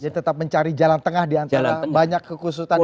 jadi tetap mencari jalan tengah di antara banyak kekusutan itu ya